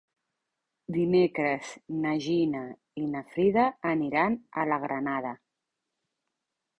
Dimecres na Gina i na Frida aniran a la Granada.